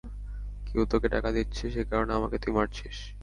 কেউ তোকে টাকা দিচ্ছে সেকারণে আমাকে তুই মারছিস।